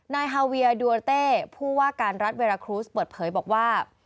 ฮาเวียดัวเต้ผู้ว่าการรัฐเวราครุสเปิดเผยบอกว่า